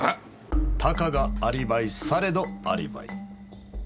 たかがアリバイされどアリバイ。